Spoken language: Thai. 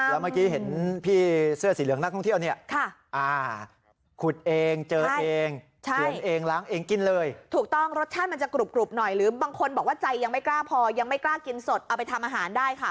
แล้วเมื่อกี้เห็นพี่เสื้อสีเหลืองนักท่องเที่ยวนี่